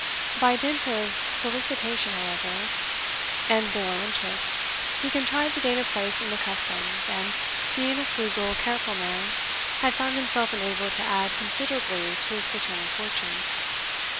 By dint of solicitation, however, and borough interest, he contrived to gain a place in the customs, and, being a frugal, careful man, had found himself enabled to add considerably to his paternal fortune.